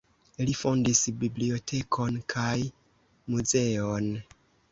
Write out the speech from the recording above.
Li fondis bibliotekon kaj muzeon.